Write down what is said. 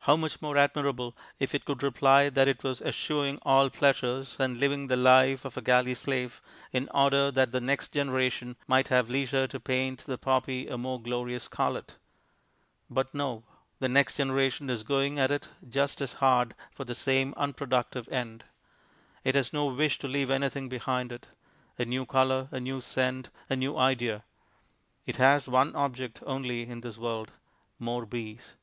How much more admirable if it could reply that it was eschewing all pleasure and living the life of a galley slave in order that the next generation might have leisure to paint the poppy a more glorious scarlet. But no. The next generation is going at it just as hard for the same unproductive end; it has no wish to leave anything behind it a new colour, a new scent, a new idea. It has one object only in this world more bees.